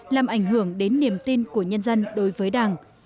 làm ảnh hưởng đến niềm tin của nhân dân đối với đảng